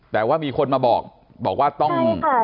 แต่ว่ามีคนมาบอกบอกว่าต้อง